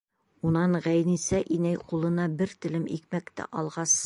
Унан Ғәйнисә инәй ҡулына бер телем икмәкте алғас: